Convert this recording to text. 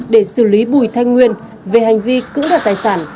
để xử lý bùi thanh nguyên về hành vi cữ đặt tài sản